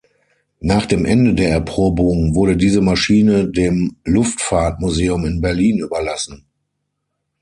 Nach dem Ende der Erprobung wurde diese Maschine dem Luftfahrtmuseum in Berlin überlassen.